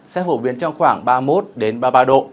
sẽ phổ biến trong khoảng ba mươi một ba mươi ba độ